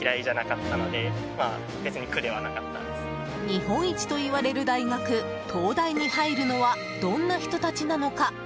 日本一といわれる大学東大に入るのはどんな人たちなのか？